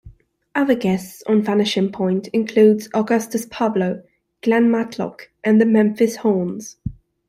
Other guests on "Vanishing Point" include Augustus Pablo, Glen Matlock, and the Memphis Horns.